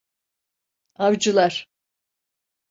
Avcılar…